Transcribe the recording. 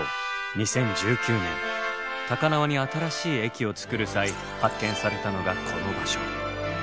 ２０１９年高輪に新しい駅を作る際発見されたのがこの場所。